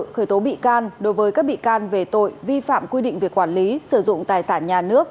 khởi tố bị can đối với các bị can về tội vi phạm quy định về quản lý sử dụng tài sản nhà nước